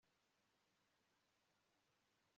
ati mukingure umuryango w'ubuvumo